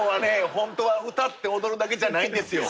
本当は歌って踊るだけじゃないんですよ。